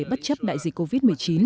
bất chấp đại dịch covid một mươi chín